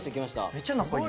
めっちゃ仲いい。